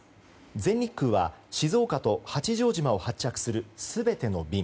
全日空は静岡と八丈島を発着する全ての便。